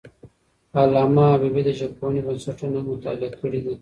علامه حبیبي د ژبپوهنې بنسټونه هم مطالعه کړي دي.